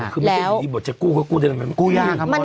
คือมันจะอยู่อย่างนี้บอกว่าจะกู้ก็กู้ได้ละกัน